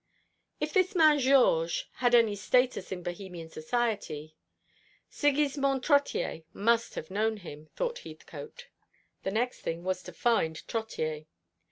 "If this man Georges had any status in Bohemian society, Sigismond Trottier must have known him," thought Heathcote. The next thing was to find Trottier.